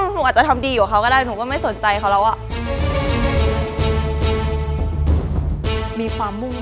หนูอาจจะทำดีกว่าเขาก็ได้หนูก็ไม่สนใจเขาแล้วอะ